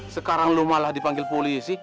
sekarang lo malah dipanggil polisi